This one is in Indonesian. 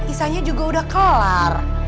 bisanya juga udah kelar